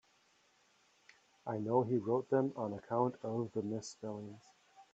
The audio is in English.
I know he wrote them on account of the misspellings.